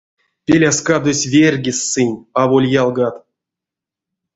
Пеляскадозь верьгизт сынь, аволь ялгат.